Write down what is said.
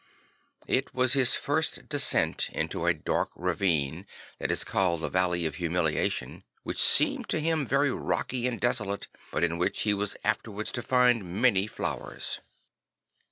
It was his first descent into a dark ra vine that is called the valley of humiliation, which seemed to him very rocky and desolate, but in which he was afterwards to find many flowers.